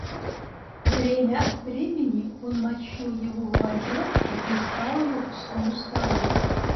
Время от времени он мочил его в воде и хлестал им по пустому столу.